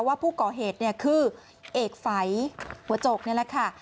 ว่าผู้ก่อเหตุเนี่ยคือเอกฝัยหัวโจกนี่แหละค่ะ